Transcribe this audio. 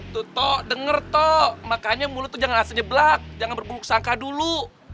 tuh tok dengar tok makanya mulut tuh jangan aset nyeblak jangan berpeluk sangka dulu